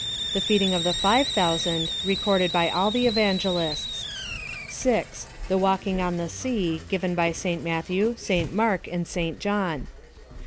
The feeding of the five thousand, recorded by all the Evangelists. 6. The walking on the sea, given by St Matthew, St Mark, and St John.